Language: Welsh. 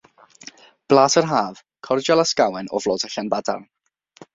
Blas yr Haf, cordial ysgawen o flodau Llanbadarn.